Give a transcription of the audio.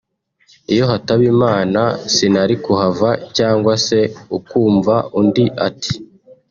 «Iyo hataba Imana sinari kuhava » cyangwa se ukumva undi ati